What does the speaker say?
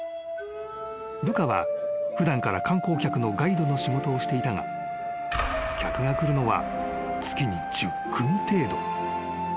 ［ルカは普段から観光客のガイドの仕事をしていたが客が来るのは月に１０組程度］